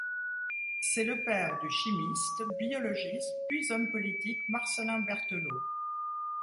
C'est le père du chimiste, biologiste, puis homme politique Marcellin Berthelot.